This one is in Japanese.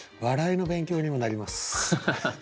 笑いの勉強にもなります。